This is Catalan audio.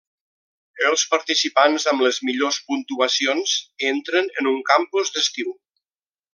Els participants amb les millors puntuacions entren en un campus d'estiu.